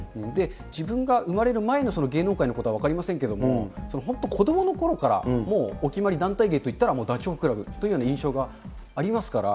自分が生まれる前の芸能界のことは分かりませんけれども、本当、子どものころからもうお決まり、団体芸といったらダチョウ倶楽部というような印象がありますから。